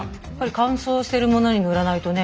乾燥してるものに塗らないとね。